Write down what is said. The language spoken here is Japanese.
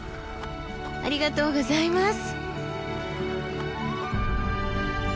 ありがとうございます！